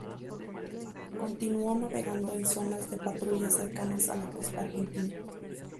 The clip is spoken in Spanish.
Continuó navegando en zonas de patrullas cercanas a la costa argentina.